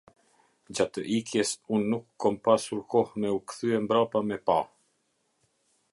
Gjatë ikjes, unë nuk kom pasur kohë me u kthye mbrapa me pa.